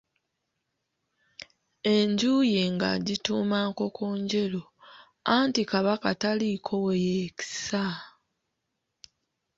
Enju ye n'agituuma Nkokonjeru, anti Kabaka taliiko we yeekisa.